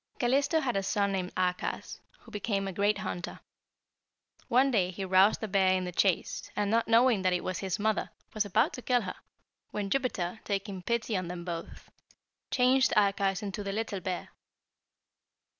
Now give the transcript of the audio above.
"Calisto had a son named Arcas, who became a great hunter. One day he roused a bear in the chase, and, not knowing that it was his mother, was about to kill her, when Jupiter, taking pity on them both, changed Arcas into the Little Bear."